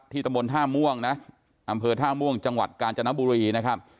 ตำบลท่าม่วงนะอำเภอท่าม่วงจังหวัดกาญจนบุรีนะครับ